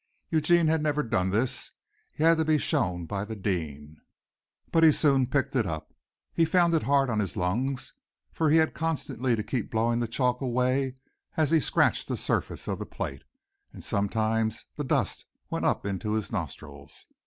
Eugene had never done this, he had to be shown by the "dean," but he soon picked it up. He found it hard on his lungs, for he had constantly to keep blowing the chalk away as he scratched the surface of the plate, and sometimes the dust went up into his nostrils.